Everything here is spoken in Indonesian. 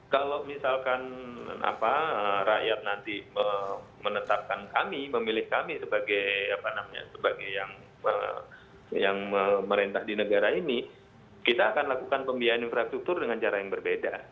kalau misalkan rakyat nanti menetapkan kami memilih kami sebagai yang memerintah di negara ini kita akan lakukan pembiayaan infrastruktur dengan cara yang berbeda